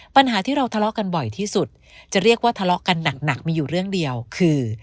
ปัญหาที่เราทะเลาะกันบ่อยที่สุดจะเรียกว่าทะเลาะกันหนักมีอยู่เรื่องเดียวคือ